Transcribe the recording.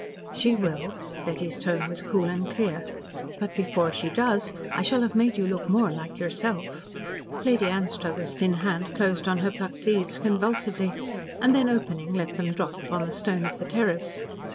"She will." Betty's tone was cool and clear. "But before she does I shall have made you look like yourself." Lady Anstruthers' thin hand closed on her plucked leaves convulsively, and then opening let them drop upon the stone of the terrace.